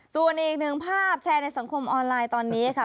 ส่วนอีกหนึ่งภาพแชร์ในสังคมออนไลน์ตอนนี้ค่ะ